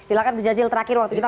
silahkan bu jazil terakhir waktu kita